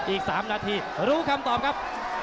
อีก๓นาทีรู้คำตอบครับ